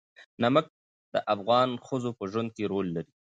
نمک د افغان ښځو په ژوند کې رول لري.